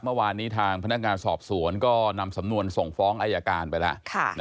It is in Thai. เมื่อวานนี้ทางพนักงานสอบสวนก็นำสำนวนส่งฟ้องอายการไปแล้ว